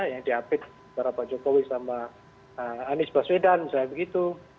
yang di upload para pak jokowi sama anies baswedan misalnya begitu